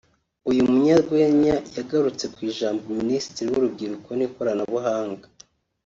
uyu munyarwenya yagarutse ku ijambo Minisitiri w’Urubyiruko n’Ikoranabuhanga